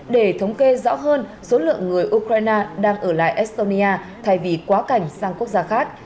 để thống kê rõ hơn số lượng người ukraine đang ở lại estonia thay vì quá cảnh sang quốc gia khác